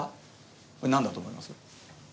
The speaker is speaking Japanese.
これなんだと思います？